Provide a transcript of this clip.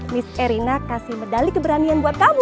mis erina kasih medali keberanian buat kamu